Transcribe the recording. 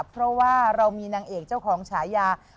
เพราะว่าเรามีนางเอกเจ้าของฉายา